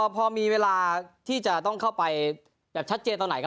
พอมีเวลาที่จะต้องเข้าไปแบบชัดเจนตอนไหนครับ